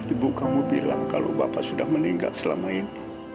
ibu kamu bilang kalau bapak sudah meninggal selama ini